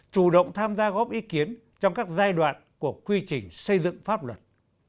chủ động tham gia góp ý kiến trong các giai đoạn của quy trình xây dựng pháp luật